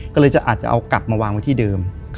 ก็เลยอาจจะเอากลับมาวางไว้ที่เดิม